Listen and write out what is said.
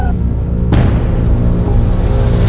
ครับ